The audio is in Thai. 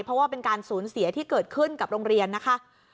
เพราะว่าเป็นการสูญเสียที่เกิดขึ้นกับโรงเรียนนะคะ